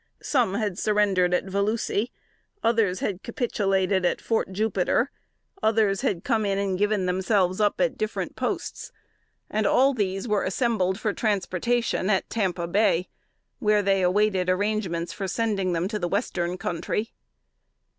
Some had surrendered at Volusi; others had capitulated at Fort Jupiter; others had come in and given themselves up at different posts: and all these were assembled for transportation at "Tampa Bay," where they awaited arrangements for sending them to the Western Country.